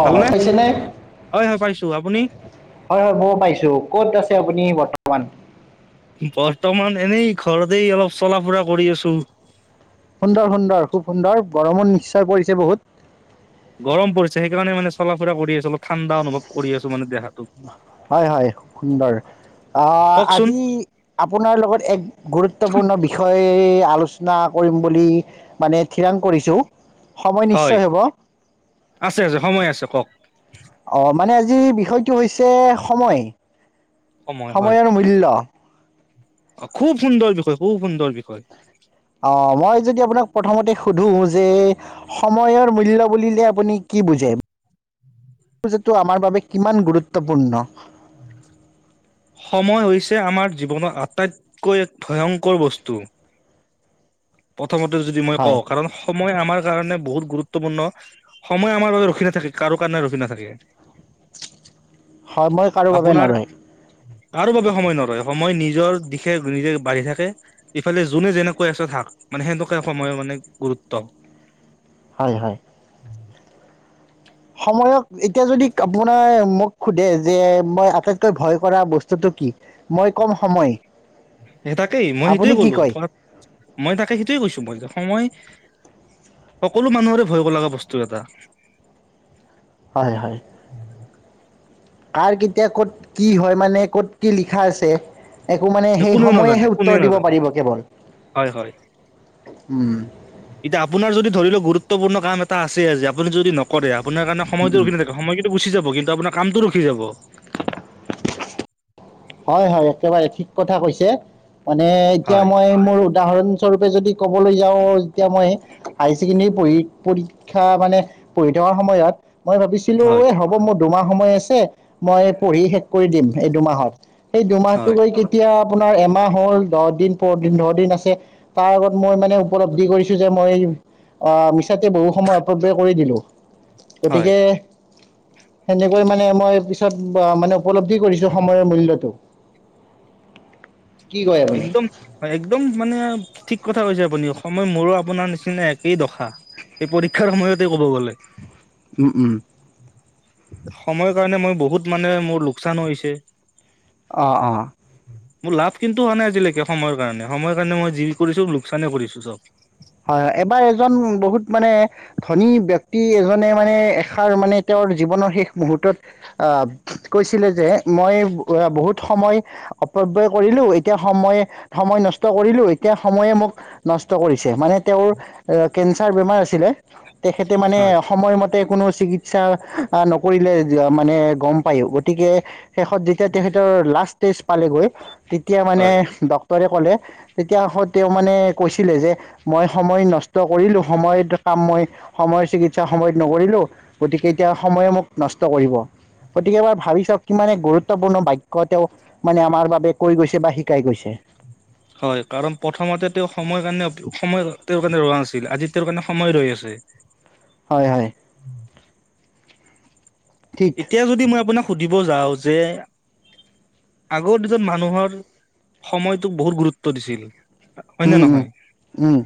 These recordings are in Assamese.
অ, ভালনে? চাইছানে? হয় হয় পাইছো আপুনি? হয়, হয়, ক'ব পাইছো, ক'ত আছে আপুনি বৰ্তমান? বৰ্তমান এনেই ঘৰতেই অলপ চলা-ফুৰা কৰি আছো। সুন্দৰ, সুন্দৰ, খুব সুন্দৰ, গৰমত নিশ্চয় পৰিছে বহুত। গৰম পৰিছে, সেইকাৰণে মানে চলা-ফুৰা কৰি আছো, অলপ ঠাণ্ডা অনুভৱ কৰি আছো মানে দেহাত। হয়, হয়, সুন্দৰ আহ, কওকচোন। আজি আপোনাৰ লগত এক গুৰুত্বপূৰ্ণ বিষয়ে আলোচনা কৰিম বুলি মানে থিৰাং কৰিছো, সময় হয় নিশ্চয় হ'ব। আছে, আছে, সময় আছে, ক'ওক। অ, মানে আজি বিষয়টো হৈছে, সময়। সময় হয়, সময়ৰ মূল্য খুব সুন্দৰ বিষয়, খুব সুন্দৰ বিষয়। অ, মই যদি আপোনাক প্ৰথমতে সোধোঁ যে সময়ৰ মূল্য বুলিলে, আপুনি কি বুজে? [inaudible] আমাৰ বাবে কিমান গুৰুত্বপূৰ্ণ। সময় হৈছে আমাৰ জীৱনৰ আটাইতকৈ এক ভয়ংকৰ বস্তু। প্ৰথমতে যদি মই হয় কওঁ, কাৰণ সময় আমাৰ কাৰণে বহুত গুৰুত্বপূৰ্ণ, সময় আমাৰ বাবে ৰখি নাথাকে, কাৰো কাৰণে ৰখি নাথাকে। [inaudible] কাৰো বাবে আপোনাৰ নৰয় কাৰো বাবে সময় নৰয় সময় নিজৰ দিশে নিজে বাঢ়ি থাকে। ইফালে যোনে যেনেকৈ আছে থাক মানে সেনেকে সময়ৰ মানে গুৰুত্ব। হয়, হয়। সময়ক এতিয়া যদি আপোনাৰ মোক খোধে মই আটাইতকৈ ভয় কৰা বস্তুটো? মই কম সময়। স তাকেই মই আপুনি সেইটয়ে কি ক'লো প কয় মই তাকে সেইটোৱে কৈছো মই সময় সকলো মানুহৰে ভয় কৰিব লগা বস্তু এটা। হয়, হয়। কাৰ কেতিয়া ক'ত কি হয় মানে ক'ত কি লিখা আছে। একো মানে সেই কোনেও নাজানে সময়েহে উত্তৰ কোনেও দিব নাজানে পাৰিব কেৱল হয় হয় উম, এতিয়া আপোনাৰ যদি ধৰি লও গুৰুত্বপূৰ্ণ কাম এটা আছে। আজি আপুনি যদি নকৰে আপোনাৰ কাৰণে সময়টো ৰখি নি সময় কিন্তু গুচি যাব কিন্তু আপোনাৰ কামতটো ৰখি যাব। হয়, হয় একেবাৰে ঠিক কথা কৈছে, মানে এতিয়া হয় মই মোৰ উদাহৰণ স্বৰূপে যদি ক'বলৈ যাওঁ যেতিয়া মই হায় ছেকেণ্ডৰী পঢ়ি, পঢ়ি শিক্ষা মানে পঢ়ি থকা সময়ত মই ভাবিছিলো হয় এ হ'ব মোৰ দুমাহ সময় আছে। মই পঢ়ি শেষ কৰি দিম। এই দুমাহত সেই দুমাহটো হয় গৈ কি এতিয়া আপোনাৰ এমাহ হ'ল দহ দিন পৰ দিন দহ ন দিন আছে। তাৰ আগত মই মানে উপলব্ধি কৰিছো যে মই আহ, মিছাতে বহু সময় অপব্যয় কৰি দিলো হয় গতিকে সেনেকৈ মানে মই পিছত মানে উপলব্ধি কৰিছো সময়ৰ মূল্য টো একদম হয় একদম মানে ঠিক কথা কৈছে আপুনি সময় মোৰো আপোনাৰ নিচিনা একেই দখা। এই পৰীক্ষাৰ সময়তে ক'ব গ'লে। উম, উম। সময়ৰ কাৰণে বহুত মানে মোৰ লোকচান হৈছে। অ'অ' মোৰ লাভ কিন্তু হোৱা নাই আজিলৈকে সময়ৰ কাৰণে সময়ৰ কাৰণে মই যি কৰিছো লোকচানেই কৰিছো চব। হয়, হয় এবাৰ এজন বহুত মানে ধনী ব্যয়ক্তি এজনে মানে এষাৰ মানে তেওঁৰ জীৱনৰ শেষ মুহুৰ্তত আহ, কৈছিলে যে মই বহুত সময় অপব্য় কৰিলো এতিয়া সময়ে সময় নষ্ট কৰিলো এতিয়া সময়ে মোক নষ্ট কৰিছিল চে মানে তেওঁৰ অ' কেন্সাৰ বেমাৰ আছিলে তেখেতে মানে হয় সময় তে কোনো চিকিৎসা নকৰিলে মানে গম পায়ো গতিকে শেষত যেতিয়া তেখেতৰ লাষ্ট টেষ্ট পালেগৈ তেতিয়া মানে হয় ড ক্টৰে কলে তেতিয়া তেওঁ মানে কৈছিলে যে মই সময় নষ্ট কৰিলো সময়ত কাম মই সময়ৰ চিকিৎসা সময়ত নকৰিলো। গতিকে এতিয়া সময়ে মোক নষ্ট কৰিব। গতিকে এবাৰ ভাবি চাওক কিমানে গুৰুত্বপূৰ্ণ বাক্য তেওঁ মানে আমাৰ বাবে কৈ গৈছে বা শিকাই গৈছে। হয় কাৰণ প্ৰথমতে তেওঁ সময় কাৰণে সময় তেওঁৰ কাৰণে ৰোৱা নাছিল, আজি তেওঁৰ কাৰণে সময় ৰৈ আছে। হয়, হয়। ঠিক এতিয়া যদি মই আপোনাক সুধিব যাওঁ যে আগৰ দিনত মানুহৰ সময়টোক বহুত গুৰুত্ব দিছিল উম হয়নে উম নহয়? উম।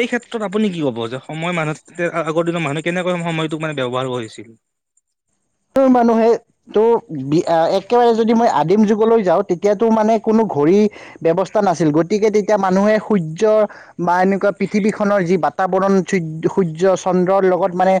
সেই ক্ষেত্ৰত আপুনি কি ক'ব যে সময় মানুহ আগৰ দিনৰ মানুহে কেনেকৈ সময়টোক মানে ব্যৱহাৰ কৰিছিল? তৰ মানুহে ত' বি-আ, একেবাৰে যদি মই আদিম যুগলৈ যাওঁ তেতিয়াতো মানে কোনো ঘড়ী ব্যৱস্থা নাছিল, গতিকে তেতিয়া মানুহে সূৰ্য্য বা এনেকুৱা পৃথিৱীখনৰ যি বা তাৱৰণ সূয-সূৰ্য্য, চন্দ্ৰৰ লগত মানে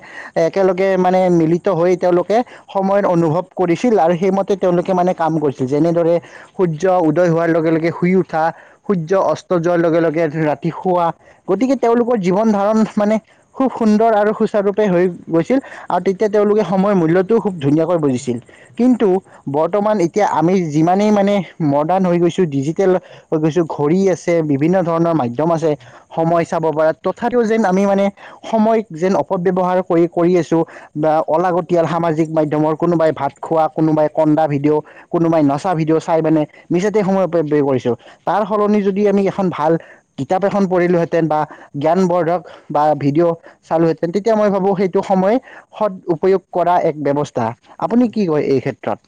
একেলগে মানে মিলিত হৈ তেওঁলোকে সময়ৰ অনুভৱ কৰিছিল, আৰু সেইমতে তেওঁলোকে মানে কাম কৰিছিল যেনেদৰে সূৰ্য্য উদয় হোৱাৰ লগে, লগে শুই উঠা। সূ্ৰ্য্য অস্ত যোৱাৰ লগে, লগে ৰাতি শুৱা, গতিকে তেওঁলোকৰ জীৱন ধাৰণ মানে খুব সুন্দৰ আৰু সুচাৰুৰূপে হৈ গৈছিল আৰু তেতিয়া তেওঁলোকে সময় মূল্যত টো, খুব ধুনীয়াকৈ বুজিছিল। কিন্তু, বৰ্তমান এতিয়া আমি যিমানেই মানে মডাৰ্ণ হৈ গৈছোঁ, ডিজিটেল হৈ গৈছোঁ, ঘড়ী আছে বিভিন্ন ধৰণৰ মাধ্যম আছে। সময় চাব পৰা, তথাপিও যেন আমি মানে সময়ক যেন অপব্যৱহাৰ কৰি, কৰি আছোঁ বা অলাগতিয়াল সামাজিক মাধ্যমৰ কোনোবাই ভাত খোৱা, কোনোবাই কন্দা ভিডিঅ' কোনোবাই নচা ভিডিঅ' চাই মানে মিছাতে সময় অপব্যয় কৰিছোঁ। তাৰসলনি যদি আমি এখন ভাল কিতাপ এখন পঢ়িলোহেঁতেন বা জ্ঞানবৰ্দ্ধক বা ভিডিঅ' চালোহেঁতেন তেতিয়া মই ভাবোঁ সেইটো সময় সদ উপয়োগ কৰা এক ব্যৱস্থা, আপুনি কি কয় এই ক্ষেত্ৰত?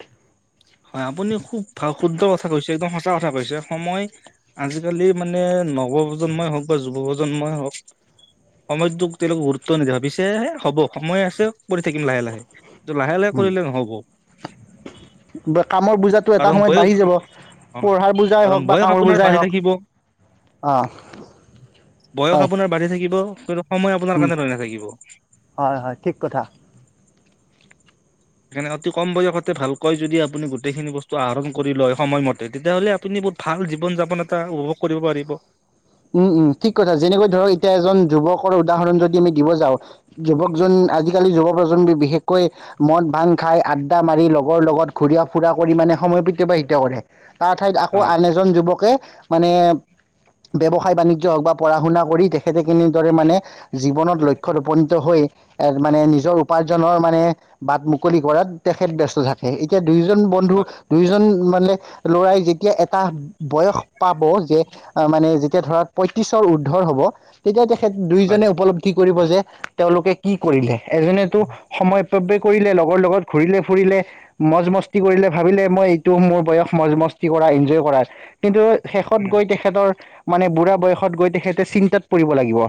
হয়, আপুনি খুব ভা, শুদ্ধ কথা কৈছে, একদম সঁচা কথা কৈছে সময় আজিকালি মানে নৱপ্ৰজন্মই হওঁক বা যুৱপ্ৰজন্মই হওঁক সময়টোক তেওঁলোকে গুৰুত্ব নিদিয়ে, ভাবিছে এ হ'ব সময় আছে কৰি থাকিম লাহে, লাহে। টো, লাহে, লাহে কৰিলে নহ'ব। বা কামৰ বোজাত টো এটা কাৰণ সময়ত বয়স বাঢ়ি যাব, অ পঢ়াৰ বোজাই কাৰণ হওঁক বা বয়স কামৰ আপোনাৰ বোজাই বাঢ়ি হওঁক। থাকিব। অ'। বয়স হয় আপোনাৰ বাঢ়ি থাকিব, কিন্তু সময় আপোনাৰ উম কাৰণে ৰৈ নাথাকিব। হয়, হয়, ঠিক কথা। সেইকাৰণে অতি কম বয়সতে ভালকৈ যদি আপুনি গোটেইখিনি বস্তু আহৰণ কৰি লয়, সময়মতে তেতিয়াহ'লে আপুনি [unintelligible] ভাল জীৱন যাপন এটা উপভোগ কৰিব পাৰিব। উম, উম, ঠিক কথা যেনেকৈ ধৰক এতিয়া এজন যুৱকৰ উদাহৰণ যদি আমি দিব যাওঁ। যুৱকজন আজিকালি যুৱ প্ৰজন্ম বি-বিশেষকৈ মদ, ভাং খাই আড্ডা মাৰি লগৰ লগত ঘূৰিয়া, ফুৰা কৰি মানে সময় [unintelligible] অতিবাহিত কৰে। তাৰ ঠাইত আকৌ হয়, আন এজন যুৱকে মানে ব্যৱসায় বাণিজ্য হওঁক বা পঢ়া শুনা কৰি তেখেতে কেনেদৰে মানে জীৱনত লক্ষ্যত উপনীত হৈ এ, মানে নিজৰ উপাৰ্জনৰ মানে বাট মুকলি কৰাত তেখেত ব্যস্ত থাক হেই এতিয়া দুয়োজন বন্ধু, হয়। দুয়োজন মানে ল'ৰাই যেতিয়া এটা বয়স পাব যে, আ, মানে যেতিয়া ধৰক পয়ত্ৰিশৰ উৰ্দ্ধৰ হ'ব, তেতিয়া তেখেত হয়, দুইজনে উপলব্ধি কৰিব যে তেওঁলোকে কি কৰিলে এজনেতো সময় অপব্যয় কৰিলে, লগৰ লগত ঘূৰিলে, ফুৰিলে মজমস্তি কৰিলে ভাবিলে মই এইটো মোৰ বয়স মজমস্তি কৰা, এনজয় কৰা, কিন্তু শেষত উম, গৈ তেখেতৰ মানে বুঢ়া বয়সত গৈ তেখেতে চিন্তাত পৰিব লাগিব।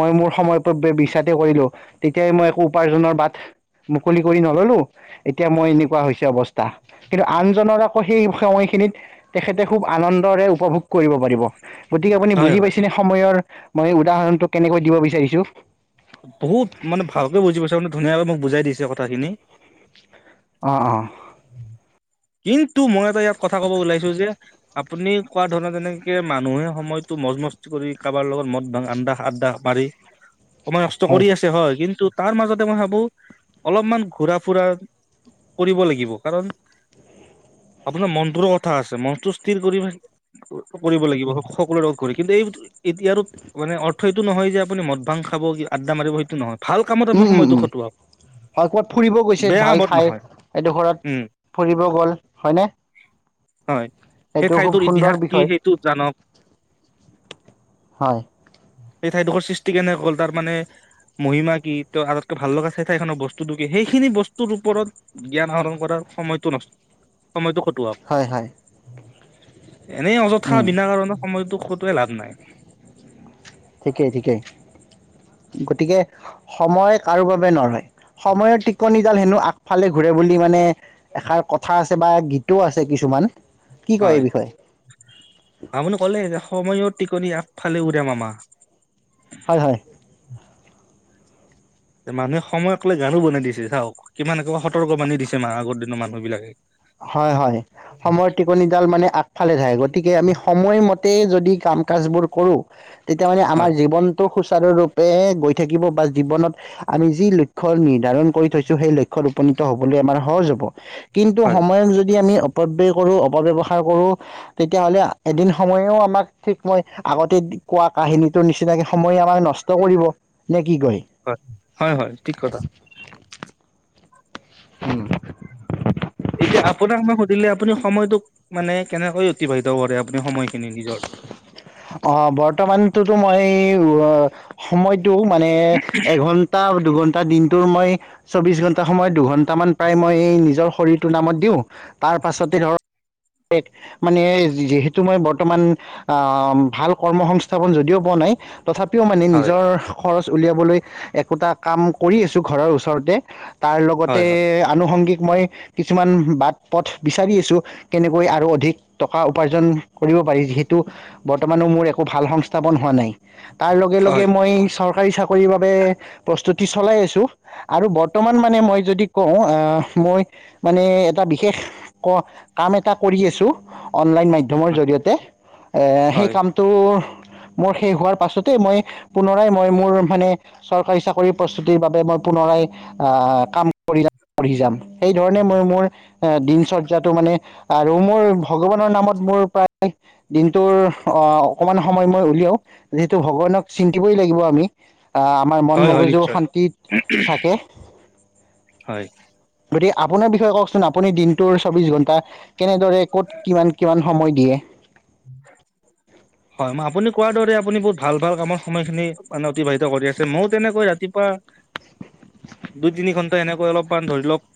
মই মোৰ সময় অপব্যয় মিছাতে কৰিলোঁ, তেতিয়াই মই একো উপাৰ্জনৰ বাট মুকলি কৰি নললোঁ, এতিয়া মই এনেকুৱা হৈছে অৱস্থা। কিন্তু আনজনৰ আকৌ সেই সময়খিনিত তেখেতে খুব আনন্দৰে উপভোগ কৰিব পাৰিব। গতিকে আপুনি হয়, বুজি হয়। পাইছেনে সময়ৰ মই উদাহৰণটো কেনেকৈ দিব বিচাৰিছো বহুত মানে ভালকে বুজি পাইছো মানে ধুনীয়াকৈ মোক বুজাই দিছে কথাখিনি অঁ অঁ কিন্তু মই এটা ইয়াত কথা ক'ব ওলাইছো যে আপুনি কোৱা ধৰণে তেনেকে মানুহে সময়তটো মজমস্তি কৰি কাৰবাৰ লগত মদ ভাং আড্ডা। আড্ডা মাৰি। সময় নষ্ট কৰি আছে হয় কিন্তু তাৰ মাজতে মই ভাবো অলপমান ঘূৰা ফুৰা। কৰিব লাগিব কাৰণ। আপোনাৰ মনটোৰো কথা আছে মনটো স্থিৰ কৰি। কৰিব লাগিব সকলোৰে লগ কৰি কিন্তু এই। এতিয়া আৰু মানে অৰ্থ এইটো নহয় যে আপুনি মদ ভাং খাব কি আড্ডা মাৰিব সেইটো নহয়। ভাল কামত উম আপোনাৰ উম সময়টো উম খটোৱাওক। হয় ক'ৰবাত ফুৰিব গৈছে ভাল ঠাইৰ এইডোখৰত উম ফুৰিব গ'ল হয়নে? হয়। সেই সেইটো খুব ঠাইটোৰ সুন্দৰ ইতিহাস কি বিষয় সেইটো জানক। হয় সেই ঠাইডোখৰ সৃষ্টি কেনেকে হ'ল তাৰ মানে। মহিমা কি তো আগতকৈ ভাল লগা চাই ঠাইখনৰ বস্তুটো কি সেইখিনি বস্তুৰ ওপৰত। জ্ঞান আহৰণ কৰাৰ সময়টো নচ সময়টো খটোৱাওক। হয় হয়। এনেই অযথা উম বিনা কাৰণত সময়তো খটোৱাই লাভ নাই। ঠিকেই ঠিকেই গতিকে সময় কাৰো বাবে নৰয়। সময়ৰ টিকনি ডাল হেনো আগফালে ঘূৰে বুলি মানে এষাৰ কথা আছে বা গীতো আছে কিছুমান। কি কয় এই হয় বিষয়ে আপুনি কলেই যে সময়ৰ টিকনি আগফালে উৰে মামা। হয় হয়। মানুহে সময়ক লৈ গানো বনাই দিছে চাওক কিমান একেবাৰে সতৰ্ক বানি দিছে আগৰ দিনৰ মানুহবিলাকে। হয় হয়। সময়ৰ টিকনিডাল মানে আগফালে যাই গতিকে আমি সময়মতে যদি কাম কাজবোৰ কৰো। তেতিয়া মানে আমাৰ হয় জীৱনটো সুচাৰুৰূপে গৈ থাকিব বা জীৱনত আমি যি লক্ষ্য নিৰ্ধাৰণ কৰি থৈছো সেই লক্ষ্যত উপনীত হবলৈ আমাৰ সহজ হব। কিন্তু হয়। সময়ক যদি আমি অপব্যয় কৰো অপব্যৱহাৰ কৰো। তেতিয়াহ'লে এদিন সময়েও আমাক ঠিক মই আগতে কোৱা কাহিনীটোৰ নিচিনাকে সময়ে আমাৰ নচ ষ্ট কৰিব নে কি কয় হয় হয় হয় ঠিক কথা। উম এতিয়া আপোনাক মই সুধিলে আপুনি সময়টোক মানে কেনেকৈ অতিবাহিত কৰে আপুনি সময় খিনি নিজৰ? অ বৰ্তমানটোতো মই এই সময় টো মানে এঘন্টা, দুঘণ্টা দিনটোৰ মই চৌবিশ ঘন্টা সময় দুঘন্টামান প্ৰায় মই এই নিজৰ শৰীৰটোৰ নামত দিও। তাৰ পাছতে ধৰক মানে যিহেতু মই বৰ্তমান। আহ ভাল কৰ্ম সংস্থাপন যদিও পোৱা নাই তথাপিও মানে হয়। নিজৰ। খৰচ উলিয়াবলৈ একোটা কাম কৰি আছো ঘৰৰ ওচৰতে তাৰ হয় লগতে। হয় আনুসংগিক মই কিছুমান বাট পথ বিচাৰি আছো। কেনেকৈ আৰু অধিক টকা উপাৰ্জন কৰিব পাৰি যিহে টো বৰ্তমানো মোৰ একো ভাল সংস্থাপন হোৱা নাই, তাৰ লগে লগে হয় মই চৰ কাৰী চাকৰিৰ বাবে প্ৰস্তুতি চলাই আছো আৰু বৰ্তমান মানে মই যদি কও আহ মই মানে এটা বিশেষ কাম এটা কৰি আছো অনলাইন মাধ্যমৰ জৰিয়তে এ সেই হয় কাম টো মোৰ শেষ হোৱাৰ পাছতেই মই পুনৰাই মই মোৰ মানে চৰকাৰী চাকৰি প্ৰস্তুতিৰ বাবে মই পুনৰাই আহ কাম কৰি যাম। সেই ধৰণে মই মোৰ দিনচৰ্যাটো মানে আৰু মোৰ ভগৱানৰ নামত মোৰ প্ৰায় দিনটোৰ অ অকনমান সময় মই উলিয়াও যিহেতু ভগৱানক চিন্তিবই লাগিব আমি আ আমাৰ মন হয় হয় মগজুও নিশ্চয় শান্তিত থাকে। হয়। গতিকে আপোনাৰ বিষয়ে কওকচোন আপুনি দিনটোৰ চৌবিশ ঘন্টা কেনেদৰে ক'ত কিমান -কিমান সময় দিয়ে? উ [inaudible] হয়, মই আপুনি কোৱাৰ দৰে আপুনি বহুত ভাল- ভাল কামৰ সময়খিনি মানে অতিবাহিত কৰি আছে মইও তেনেকৈ ৰাতিপুৱা [inaudible] দুই তিনি ঘণ্টা এনেকৈ অলপমান ধৰি লওক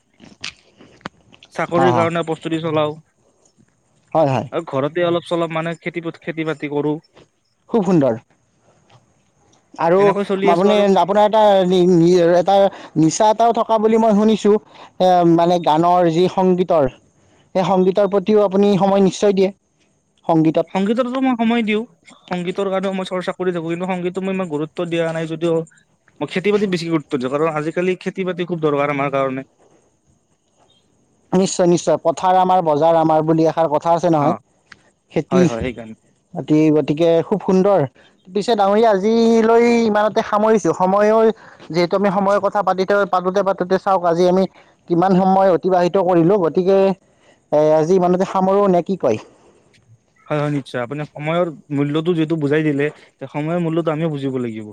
হা চাকৰিৰ হা কাৰণে প্ৰস্তুতি চলাও হয় হয়। আৰু ঘৰতে অলপ চলপ মানে খেতি প খেতি- বাতি কৰো। খুব সুন্দৰ। আৰু এনেকৈ চলি আছো আপুনি আৰু আপোনাৰ এটা নিনি এটা নিচা এটাও থকা বুলি মই শুনিছো এ মানে গানৰ যি সংগীতৰ সেই সংগীতৰ প্ৰতিও আপুনি সময় নিশ্চয় দিয়ে, সংগীতত দুইটাটো মই সময় দিও। সংগীতৰ কাৰণেও মই চৰ্চা কৰি থাকো কিন্তু সংগীতটো মই ইমান গুৰুত্ব দিয়া নাই যদিও মই খেতি- বাতি বেছি গুৰুত্ব দিও কাৰণ আজিকালি খেতি- বাতি দৰকাৰ আমাৰ কাৰণে নিশ্চয় -নিশ্চয় পথাৰ আমাৰ বজাৰ আমাৰ বুলি এষাৰ কথা আছে অ নহয়, হয় খেতি- হয় সেইকাৰণে বাতি গতিকে খুব সুন্দৰ পিছে ডাঙৰীয়া আজিলৈ ইমানতে সামৰিছো, সময়ৰ যিহেতু আমি সময়ৰ কথা পাতিতে পাতোতে পাতোতে চাওক আজি আমি কিমান সময় অতিবাহিত কৰিলো গতিকে, এ আজি ইমানতে সামৰোঁ নে কি কয়? হয়, হয় নিশ্চয়। আপুনি সময়ৰ মূল্যতটো যিহেতু বুজাই দিলে, তে সময়ৰ মূল্যটো আমিও বুজিব লাগিব।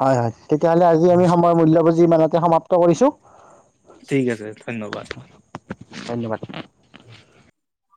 হয়, হয়। তেতিয়াহলে আজি আমি সময়ৰ মূল্য বুজি ইমানতে সমাপ্ত কৰিছো ঠিক আছে, ধন্যবাদ। ধন্যবাদ।